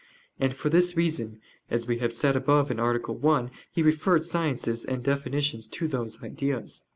And for this reason, as we have said above (A. 1), he referred sciences and definitions to those ideas.